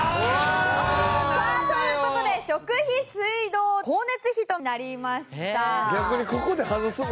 さあという事で食費水道光熱費となりました。